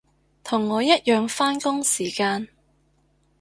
同我一樣扮工時間